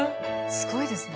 すごいですね。